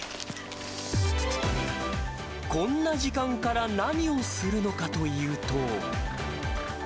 こんな時間から何をするのかというと。